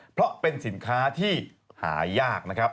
เพราะเป็นสินค้าที่หายากนะครับ